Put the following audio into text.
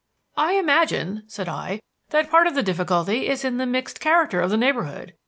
"I imagine," said I, "that part of the difficulty is in the mixed character of the neighborhood.